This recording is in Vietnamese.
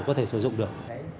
có thể sử dụng được